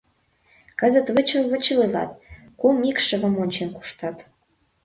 Кызыт вычыл-вычыл илат, кум икшывым ончен куштат.